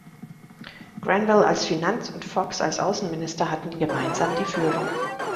Grenville als Finanz- und Fox als Außenminister hatten gemeinsam die Führung.